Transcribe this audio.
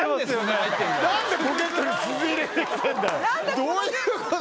どういうこと？